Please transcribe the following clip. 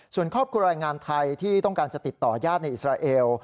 ส่วนครอบครัวแรงงานไทยที่ต้องการจะติดต่อญาติในอิสราเอล